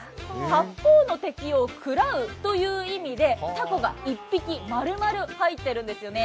八方の敵を食らうという意味でたこが１匹、丸々入っているんですよね。